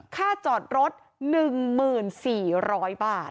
ค่าจอดรถ๑๔๐๐บาท